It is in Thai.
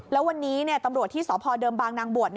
แล้ววันนี้ตำรวจที่สพเดิมบางนางบวช